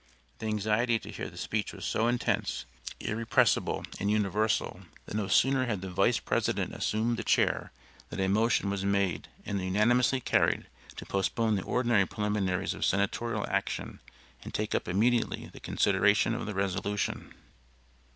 The anxiety to hear the speech was so intense, irrepressible and universal that no sooner had the vice president assumed the chair that a motion was made and unanimously carried to postpone the ordinary preliminaries of senatorial action and take up immediately the consideration of the resolution.